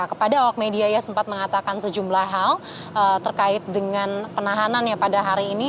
kepada awak media ia sempat mengatakan sejumlah hal terkait dengan penahanannya pada hari ini